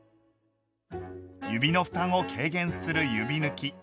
指の負担を軽減する指ぬき。